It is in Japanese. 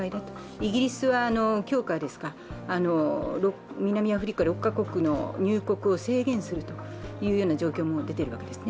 イギリスは今日から南アフリカ６カ国の入国を制限するという状況も出ているわけですね。